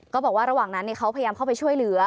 ก็บอกว่าระหว่างนั้นเขาพยายามเข้าไปช่วยเหลือ